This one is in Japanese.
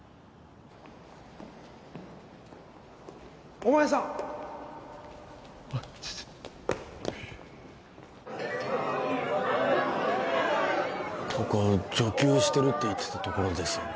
お前さんここ女給してるって言ってたところですよね